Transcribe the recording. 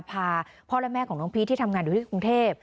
พาพ่อและแม่ของน้องพีชที่ทำงานอยู่ที่กรุงเทพ